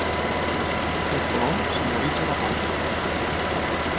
El colom simbolitza la pau.